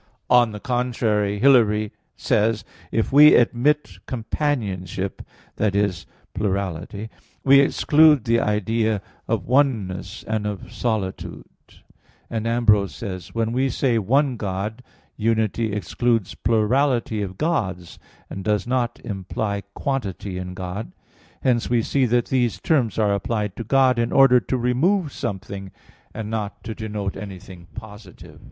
On the contrary, Hilary says (De Trin. iv): "If we admit companionship" that is, plurality "we exclude the idea of oneness and of solitude;" and Ambrose says (De Fide i): "When we say one God, unity excludes plurality of gods, and does not imply quantity in God." Hence we see that these terms are applied to God in order to remove something; and not to denote anything positive.